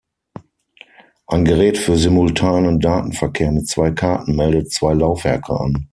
Ein Gerät für simultanen Datenverkehr mit zwei Karten meldet zwei Laufwerke an.